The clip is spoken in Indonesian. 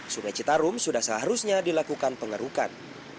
sungai citarum sudah seharusnya dilakukan pengerukan